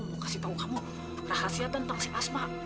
mau kasih tahu kamu rahasia tentang si asma